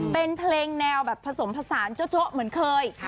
เป็นเพลงแนวแบบผสมผสานโจ๊ะเหมือนเคย